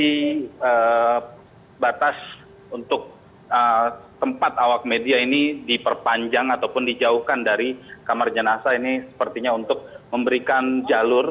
jadi batas untuk tempat awak media ini diperpanjang ataupun dijauhkan dari kamar jenazah ini sepertinya untuk memberikan jalur